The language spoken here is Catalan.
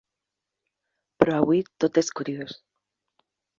Però avui tot és curiós.